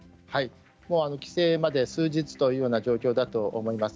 帰省まで数日という状況だと思います。